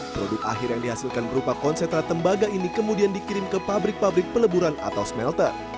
produk akhir yang dihasilkan berupa konsentrat tembaga ini kemudian dikirim ke pabrik pabrik peleburan atau smelter